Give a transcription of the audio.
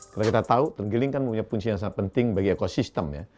kalau kita tahu tenggiling kan punya fungsi yang sangat penting bagi ekosistem